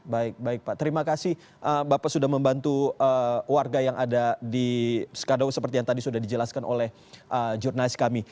baik baik pak terima kasih bapak sudah membantu warga yang ada di sekadau seperti yang tadi sudah dijelaskan oleh jurnalis kami